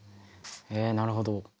へえなるほど。